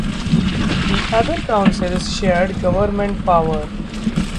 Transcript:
The other councils shared government power.